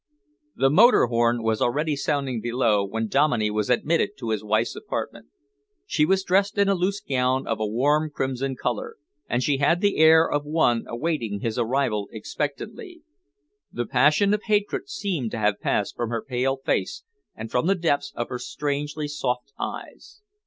The motor horn was already sounding below when Dominey was admitted to his wife's apartment. She was dressed in a loose gown of a warm crimson colour, and she had the air of one awaiting his arrival expectantly. The passion of hatred seemed to have passed from her pale face and from the depths of her strangely soft eyes.